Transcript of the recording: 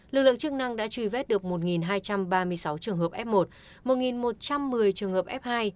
lực lượng chức năng đã truy vết được một hai trăm ba mươi sáu trường hợp f một một trăm một mươi trường hợp f hai